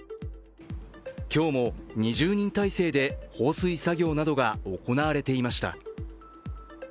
今日も２０人態勢で放水作業などが行われていました。